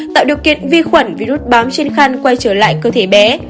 tạo điều kiện vi khuẩn vì nút bám trên khăn quay trở lại cơ thể bé